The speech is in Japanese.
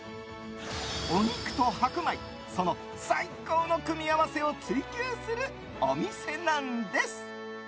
お肉と白米その最高の組み合わせを追求するお店なんです。